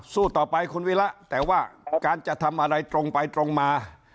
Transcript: สู้ต่อไปคุณวิระแต่ว่าการจะทำอะไรตรงไปตรงมา